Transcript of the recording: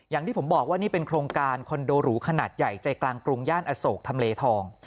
อย่างที่ผมบอกว่านี่เป็นโครงการคอนโดหรูขนาดใหญ่ใจกลางกรุงย่านอโศกทำเลทอง